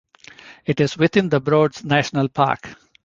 It is within The Broads National Park.